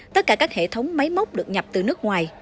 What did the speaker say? tất cả các hệ thống máy móc được nhập từ nước ngoài